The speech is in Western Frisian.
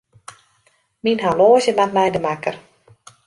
Myn horloazje moat nei de makker.